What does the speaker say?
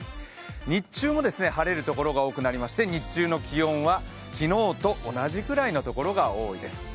日中も晴れるところが多くなりまして日中の気温は昨日と同じくらいのところが多いです。